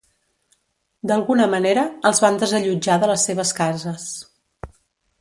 D'alguna manera, els van desallotjar de les seves cases.